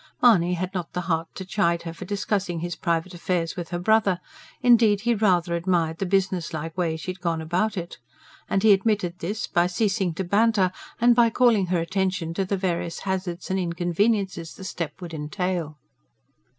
Mahony had not the heart to chide her for discussing his private affairs with her brother. Indeed, he rather admired the businesslike way she had gone about it. And he admitted this, by ceasing to banter and by calling her attention to the various hazards and inconveniences the step would entail.